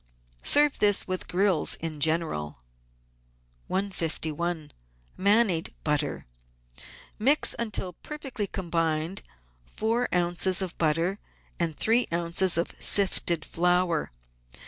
Serve this v ith grills in general. 151— MANIED BUTTER Mix, until perfectly combined, four oz. of butter and three oz. of sifted flour.